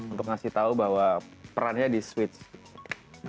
untuk ngasih tahu bahwa perannya di switch